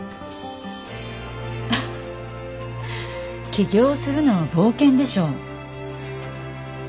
起業するのは冒険でしょ。